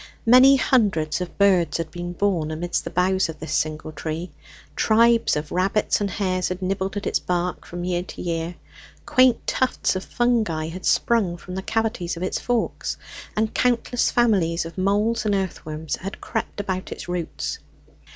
Many hundreds of birds had been born amidst the boughs of this single tree; tribes of rabbits and hares had nibbled at its bark from year to year; quaint tufts of fungi had sprung from the cavities of its forks; and countless families of moles and earthworms had crept about its roots.